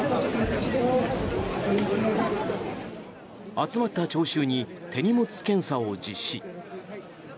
集まった聴衆に手荷物検査を実施。